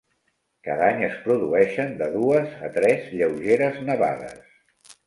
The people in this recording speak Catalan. Cada any es produeixen de dues a tres lleugeres nevades.